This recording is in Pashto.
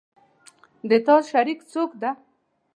د تا شریک څوک ده